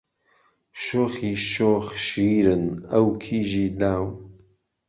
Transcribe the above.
شۆخی شۆخ شیرن ئەو کیژی لاو